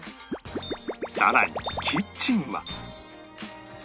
さらにキッチンは